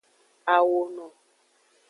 Awono.